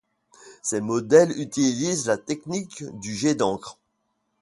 Ces modèles utilisent la technique du jet d'encre.